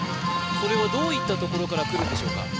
それはどういったところからくるんでしょうか